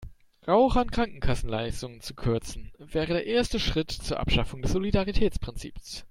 Rauchern Krankenkassenleistungen zu kürzen, wäre der erste Schritt zur Abschaffung des Solidaritätsprinzips.